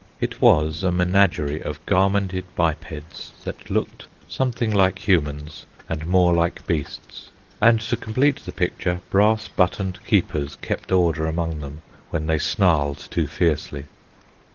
It was a menagerie of garmented bipeds that looked something like humans and more like beasts, and to complete the picture, brass buttoned keepers kept order among them when they snarled too fiercely.